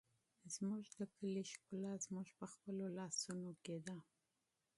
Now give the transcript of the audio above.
زموږ د کلي ښکلا زموږ په خپلو لاسونو کې ده.